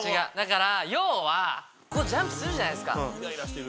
要はジャンプするじゃないですか。